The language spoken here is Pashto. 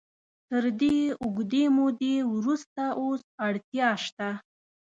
تر دې اوږدې مودې وروسته اوس اړتیا شته.